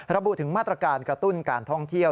ระบุถึงมาตรการกระตุ้นการท่องเที่ยว